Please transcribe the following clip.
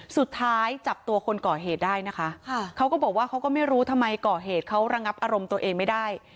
สุดท้ายจับตัวคนก่อเหตุได้นะคะเขาก็บอกว่าเขาก็ไม่รู้ทำไมก่อเหตุเขาระงับอารมณ์ตัวเองไม่ได้